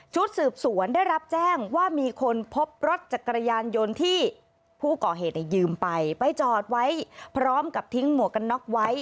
ชุดสืบสวนได้รับแจ้งว่ามีคนพบรถจักรยานยนต์ที่ผู้ก่อเหตุยืมไปไปจอดไว้พร้อมกับทิ้งหมวกกันน็อกไว้